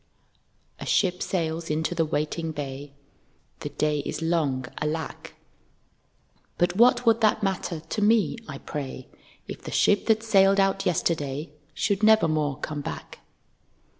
A ship sails into the waiting bay, (The day is long, alack,) But what would that matter to me, I pray If the ship that sailed out yesterday Should never more come back.